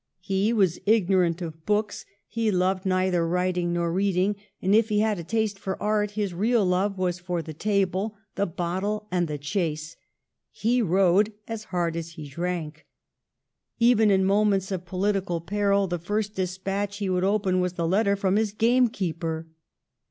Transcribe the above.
He was ignorant of books, he loved neither 1711 THE FIRST * GREAT COMMONER.' 225 writing nor reading ; and if he had a taste for art, his real love was for the table, the bottle, and the chase. He rode as hard as he drank. Even in moments of political peril the first dispatch he would open was the letter from his gamekeeper.'